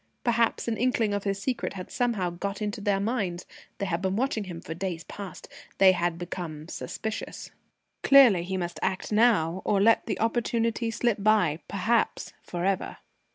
Perhaps an inkling of his secret had somehow got into their minds. They had been watching him for days past. They had become suspicious. Clearly, he must act now, or let the opportunity slip by perhaps for ever.